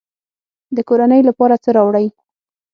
د کورنۍ لپاره څه راوړئ؟